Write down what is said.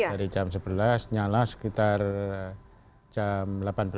dari jam sebelas nyala sekitar jam delapan belas